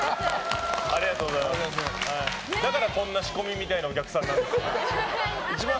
だから、こんな仕込みみたいなお客さんが。